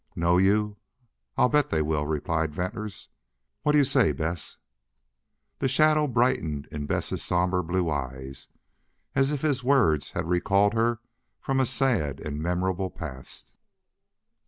"Know you? I'll bet they will," replied Venters. "What do you say, Bess?" The shadow brightened in Bess's somber blue eyes, as if his words had recalled her from a sad and memorable past.